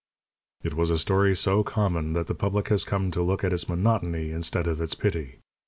It was a story so common that the public has come to look at its monotony instead of its pity.